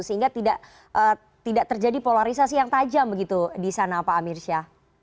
sehingga tidak terjadi polarisasi yang tajam begitu di sana pak amir syah